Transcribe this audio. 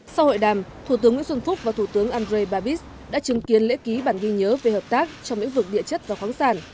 sau hội đàm thủ tướng nguyễn xuân phúc và thủ tướng andrei babis đã chứng kiến lễ ký bản ghi nhớ về hợp tác trong lĩnh vực địa chất và khoáng sản